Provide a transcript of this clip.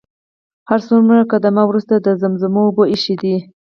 هر څو قدمه وروسته د زمزم اوبه ايښي دي.